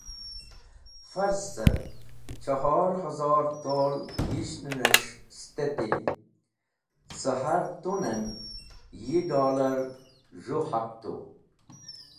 Farz car, chohor hazor tol yishnenes̃h steti, cẽ har tun en yi dollar z̃hũ haq tu.